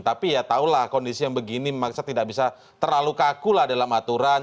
tapi ya tahulah kondisi yang begini memang saya tidak bisa terlalu kaku lah dalam aturan